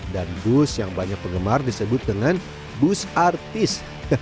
dan bus yang banyak penggemar disebut dengan bus artis